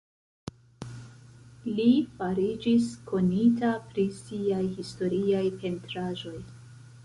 Li fariĝis konita pri siaj historiaj pentraĵoj.